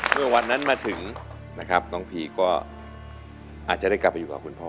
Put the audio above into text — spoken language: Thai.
เมื่อวันนั้นมาถึงนะครับน้องพีก็อาจจะได้กลับไปอยู่กับคุณพ่อ